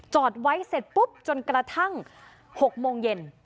จอดไว้เสร็จปุ๊บจนกระทั่ง๖โมงเย็น